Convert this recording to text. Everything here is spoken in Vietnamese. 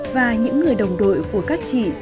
và những người đồng đội của các chị